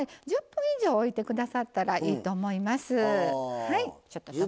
１０分以上、置いてくださったらいいと思います。